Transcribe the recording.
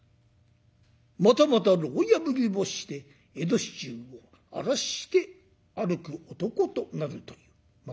またまた牢破りをして江戸市中を荒らして歩く男となるというまあ